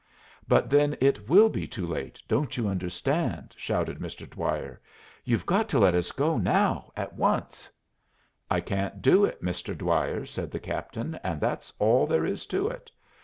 "But then it will be too late, don't you understand?" shouted Mr. Dwyer. "You've got to let us go now, at once." "I can't do it, Mr. Dwyer," said the captain, "and that's all there is to it.